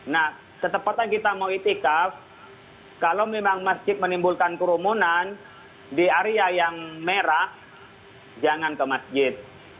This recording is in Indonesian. nah ketepatan kita mau itikaf kalau memang masjid menimbulkan kerumunan di area yang merah jangan ke masjid